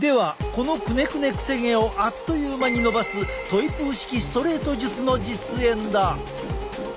このくねくねくせ毛をあっという間に伸ばすトイプー式ストレート術の実演だ！